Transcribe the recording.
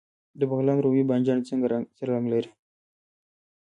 د بغلان رومي بانجان څه رنګ لري؟